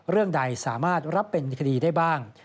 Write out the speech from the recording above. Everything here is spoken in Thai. เรื่องใดสามารถรับเป็นคดีได้บ้าง